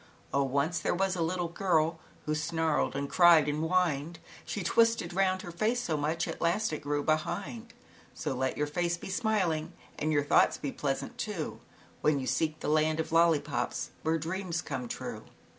Oh, once there was a little girl Who snarled and cried and whined, She twisted round her face so much, At t last it grew behind, So let your face be smiling And your thoughts be pleasant too, When you seek the land of Lollipops, Where dreams come true."